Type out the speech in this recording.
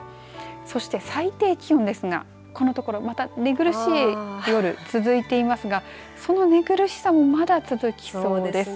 そして、最低気温ですがこのところ、また寝苦しい夜続いていますがその寝苦しさもまだ続きそうです。